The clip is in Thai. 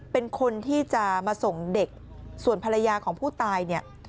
เป็นคนที่จะมาส่งเด็กส่วนภรรยาของผู้ตายเนี่ย